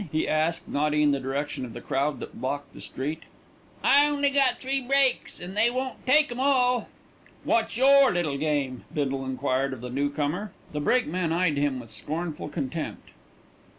he asked, nodding in the direction of the crowd that blocked the street. "I only got three brakes, an' they won't take 'em all." "What's your little game?" Bindle enquired of the newcomer. The brakeman eyed him with scornful contempt.